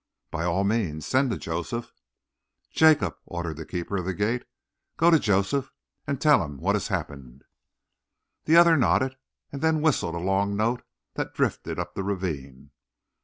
"By all means send to Joseph." "Jacob," ordered the keeper of the gate, "go to Joseph and tell him what has happened." The other nodded, and then whistled a long note that drifted up the ravine.